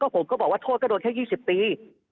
ผมก็บอกว่าโทษก็โดนแค่๒๐ปี